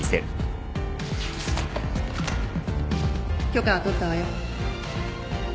許可は取ったわよ。